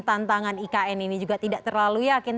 tantangan ikn ini juga tidak terlalu yakin